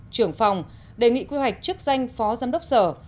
trưởng phòng đề nghị quy hoạch chức danh phó giám đốc sở